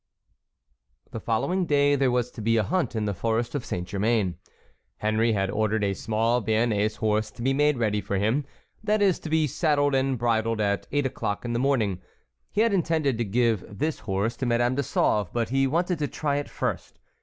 The following day there was to be a hunt in the forest of Saint Germain. Henry had ordered a small Béarnais horse to be made ready for him; that is, to be saddled and bridled at eight o'clock in the morning. He had intended giving this horse to Madame de Sauve, but he wanted to try it first.